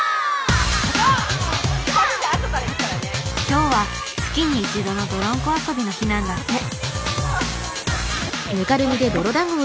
今日は月に一度のどろんこ遊びの日なんだって。